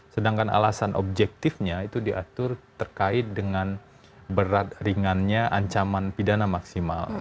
sedangkan alasan objektifnya itu diatur terkait dengan berat ringannya ancaman pidana maksimal